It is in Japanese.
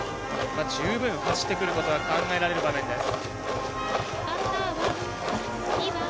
十分、走ってくることが考えられる場面です。